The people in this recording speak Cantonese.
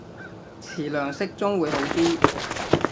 詞量適中會好啲